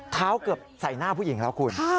เกือบใส่หน้าผู้หญิงแล้วคุณ